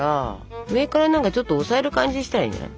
上から何かちょっと押さえる感じにしたらいいんじゃない？